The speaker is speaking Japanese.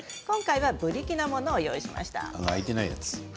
今回はブリキの器を用意しました。